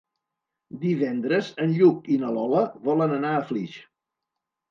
Divendres en Lluc i na Lola volen anar a Flix.